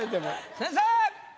先生。